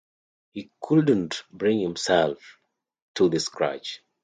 He couldn't bring himself to the scratch.